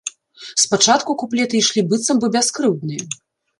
Спачатку куплеты ішлі быццам бы бяскрыўдныя.